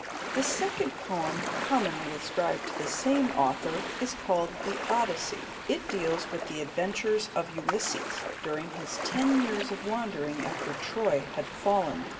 The second poem commonly ascribed to the same author is called the Odyssey. It deals with the adventures of Ulysses during his ten years of wandering after Troy had fallen.